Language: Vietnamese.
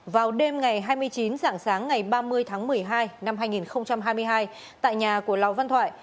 vào đêm ngày hai mươi chín dạng sáng ngày ba mươi tháng một mươi hai năm hai nghìn hai mươi hai tại nhà của lò văn thoại